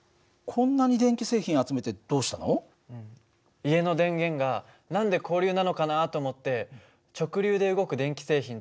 家の電源が何で交流なのかなと思って直流で動く電気製品と。